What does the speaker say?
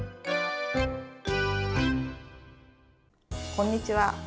こんにちは。